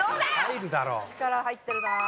力入ってるな。